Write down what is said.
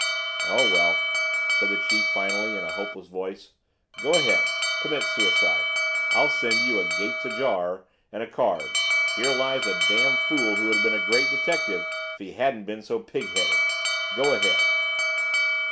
"Oh, well " said the chief finally in a hopeless voice. "Go ahead commit suicide I'll send you a 'Gates Ajar' and a card, 'Here lies a damn fool who would have been a great detective if he hadn't been so pig headed.' Go ahead!"